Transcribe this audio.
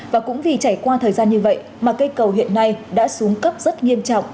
và cũng vì trải qua thời gian như vậy mà cây cầu hiện nay đã xuống cấp rất nghiêm trọng